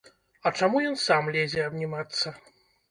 А чаму ён сам лезе абнімацца?!